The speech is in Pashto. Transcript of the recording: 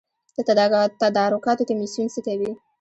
د تدارکاتو کمیسیون څه کوي؟